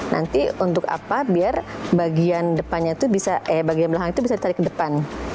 nanti untuk apa biar bagian belakang itu bisa ditarik ke depan